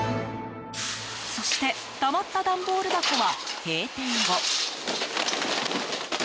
そして、たまった段ボール箱は閉店後。